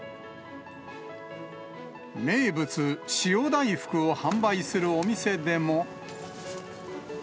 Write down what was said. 名物、塩大福を販売するお店でも。